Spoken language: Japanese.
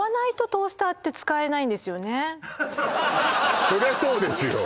そうよそりゃそうですよ